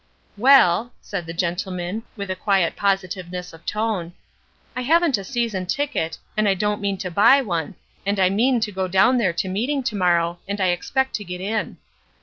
"Well," said the gentleman, with a quiet positiveness of tone, "I haven't a season ticket, and I don't mean to buy one, and I mean to go down there to meeting to morrow, and I expect to get in."